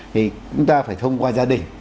thì chúng ta phải thông qua gia đình